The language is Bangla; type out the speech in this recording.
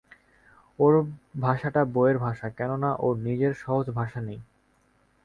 ওর ভাষাটা বইয়ের ভাষা, কেননা, ওর নিজের সহজ ভাষা নেই।